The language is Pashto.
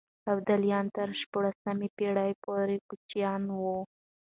ابداليان تر شپاړسمې پېړۍ پورې کوچيان وو.